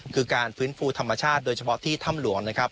คือการฟื้นฟูธรรมชาติโดยเฉพาะที่ถ้ำหลวงนะครับ